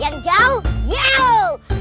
yang jauh jauh